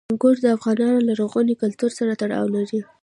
انګور د افغانانو له لرغوني کلتور سره تړاو لري.